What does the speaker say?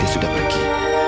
dia sudah pergi